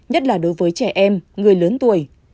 nhất là đối với trẻ em người lớn tuổi